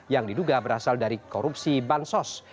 yang diduga berasal dari korupsi bansos